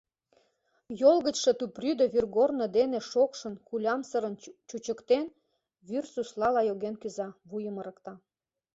Йол гычше тупрӱдӧ вӱргорно дене шокшын-кулямсырын чучыктен, вӱр суслала йоген кӱза, вуйым ырыкта.